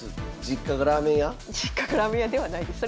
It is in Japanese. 実家がラーメン屋ではないです。